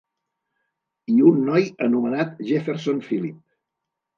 I un noi anomenat Jefferson Phillip.